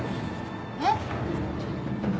えっ？